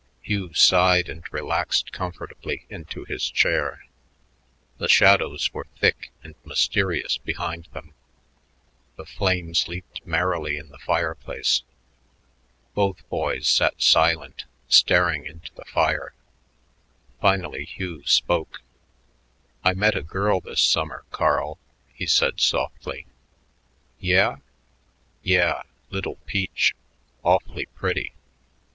Hugh sighed and relaxed comfortably into his chair. The shadows were thick and mysterious behind them; the flames leaped merrily in the fireplace. Both boys sat silent, staring into the fire. Finally Hugh spoke. "I met a girt this summer, Carl," he said softly. "Yeah?" "Yeah. Little peach. Awf'lly pretty.